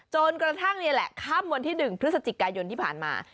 จนกระทั่งนี่แหละค่ำวันที่๑พฤศจิกายนที่ผ่านมา